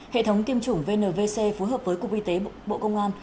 hệ thống tiêm chủng vnvc phối hợp với cục y tế bộ công an